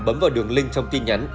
bấm vào đường link trong tin nhắn